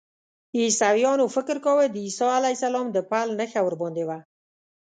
عیسویانو فکر کاوه د عیسی علیه السلام د پل نښه ورباندې وه.